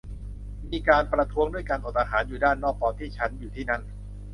มีการประท้วงด้วยการอดอาหารอยู่ด้านนอกตอนที่ฉันอยู่ที่นั่น